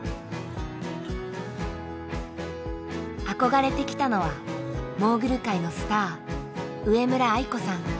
憧れてきたのはモーグル界のスター上村愛子さん。